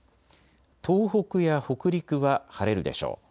東北や北陸は晴れるでしょう。